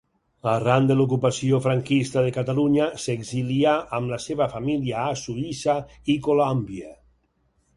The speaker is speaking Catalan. Arran de l'ocupació franquista de Catalunya s'exilià amb la seva família a Suïssa i Colòmbia.